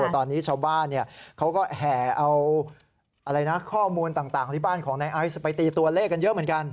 ตอนนี้ชาวบ้านเขาก็แห่เอาข้อมูลต่างที่บ้านของนายไอซ์ไปตีตัวเลขกันเยอะเหมือนกัน